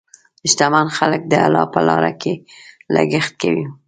شتمن خلک د الله په لاره کې لګښت کوي.